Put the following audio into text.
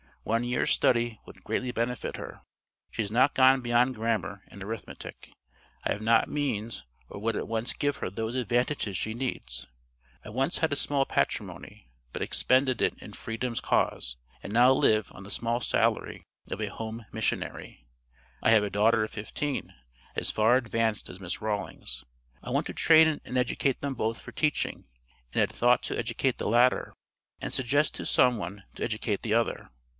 One year's study would greatly benefit her. She has not gone beyond grammar and arithmetic. I have not means or would at once give her those advantages she needs. I once had a small patrimony, but expended it in freedom's cause, and now live on the small salary of a [Home] Missionary. I have a daughter of fifteen, as far advanced as Miss Rawlings. I want to train and educate them both for teaching, and had thought to educate the latter, and suggest to some one to educate the other.